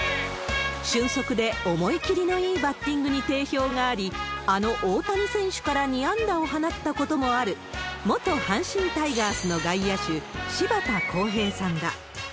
俊足で思い切りのいいバッティングに定評があり、あの大谷選手から２安打を放ったこともある、元阪神タイガースの外野手、柴田講平さんだ。